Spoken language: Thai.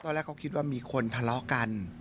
แรกเขาคิดว่ามีคนทะเลาะกัน